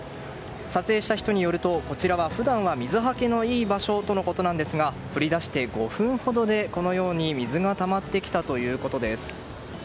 撮影した人によるとこちらは、普段は水はけのいい場所とのことですが降り出して５分ほどで水があまってきたということです。